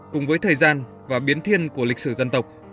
cùng với thời gian và biến thiên của lịch sử dân tộc